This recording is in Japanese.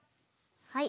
はい。